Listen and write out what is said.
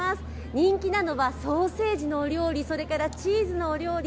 人気なのはソーセージのお料理、それからチーズのお料理